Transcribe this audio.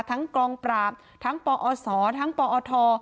ทั้งกรองปราบทั้งปอศทั้งปอธ